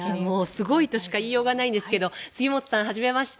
すごいとしか言いようがないんですが杉本さん、初めまして。